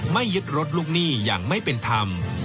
ยึดรถลูกหนี้อย่างไม่เป็นธรรม